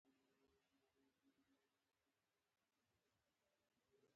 ټيټ کاست غړي هم اړیکه نه نیوله.